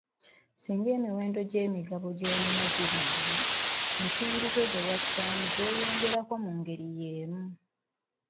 Singa emiwendo gy'emigabo gy'olina girinnya, ensimbi zo ze wassaamu zeeyongerako mu ngeri y'emu.